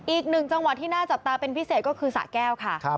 อีกหนึ่งจังหวัดที่น่าจับตาเป็นพิเศษก็คือสะแก้วค่ะ